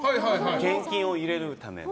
現金を入れるための。